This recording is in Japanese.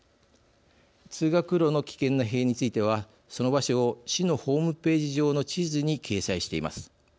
通学路の危険な塀についてはその場所を市のホームページ上の地図に掲載しています。